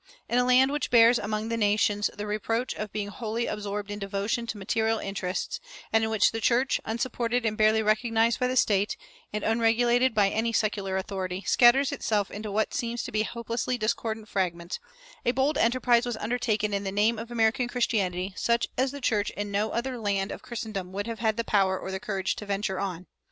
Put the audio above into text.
In a land which bears among the nations the reproach of being wholly absorbed in devotion to material interests, and in which the church, unsupported and barely recognized by the state, and unregulated by any secular authority, scatters itself into what seem to be hopelessly discordant fragments, a bold enterprise was undertaken in the name of American Christianity, such as the church in no other land of Christendom would have had the power or the courage to venture on.